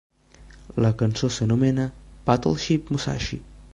La cançó s'anomena Battleship Musashi.